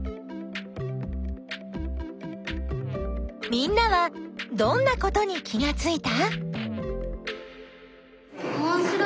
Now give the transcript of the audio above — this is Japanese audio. みんなはどんなことに気がついた？